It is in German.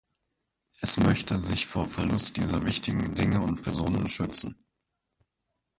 Es möchte sich vor Verlust dieser wichtigen Dinge und Personen schützen.